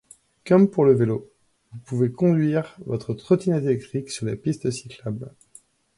Comme pour le vélo, vous pouvez conduire votre trottinette électrique sur les pistes cyclables.